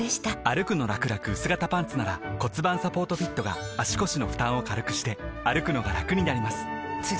「歩くのらくらくうす型パンツ」なら盤サポートフィットが足腰の負担を軽くしてくのがラクになります覆个△